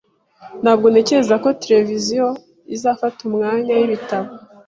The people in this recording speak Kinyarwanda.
Ntabwo ntekereza ko televiziyo izafata umwanya wibitabo.